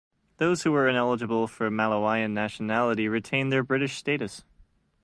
Those who were ineligible for Malawian nationality retained their British status.